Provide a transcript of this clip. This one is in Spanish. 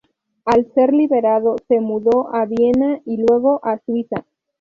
Al ser liberado se mudó a Viena, y luego a Suiza.